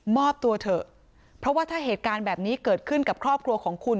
ตัวเถอะเพราะว่าถ้าเหตุการณ์แบบนี้เกิดขึ้นกับครอบครัวของคุณ